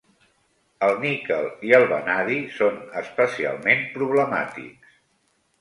El níquel i el vanadi són especialment problemàtics.